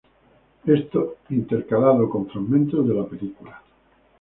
Esto intercalado con fragmentos de la película.